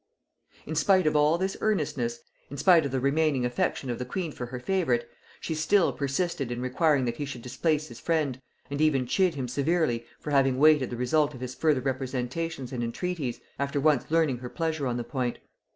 In spite of all this earnestness, in spite of the remaining affection of the queen for her favorite, she still persisted in requiring that he should displace his friend, and even chid him severely for having waited the result of his further representations and entreaties, after once learning her pleasure on the point.